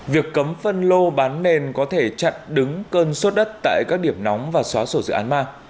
việc cấm phân lô bán nền có thể chặn đứng cơn sốt đất tại các điểm nóng và xóa sổ dự án ma